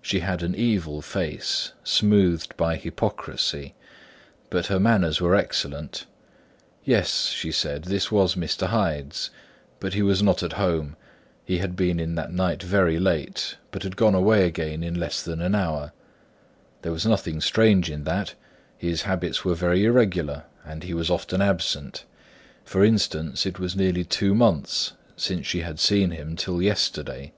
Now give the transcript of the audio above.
She had an evil face, smoothed by hypocrisy: but her manners were excellent. Yes, she said, this was Mr. Hyde's, but he was not at home; he had been in that night very late, but he had gone away again in less than an hour; there was nothing strange in that; his habits were very irregular, and he was often absent; for instance, it was nearly two months since she had seen him till yesterday.